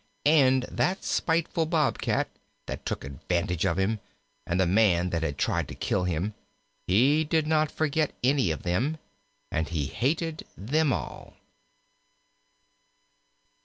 And that spiteful Bobcat, that took advantage of him; and the man that had tried to kill him. He did not forget any of them, and he hated them all.